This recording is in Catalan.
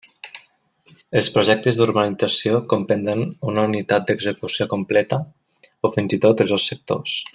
Els projectes d'urbanització comprendran una unitat d'execució completa o fins i tot els dos sectors.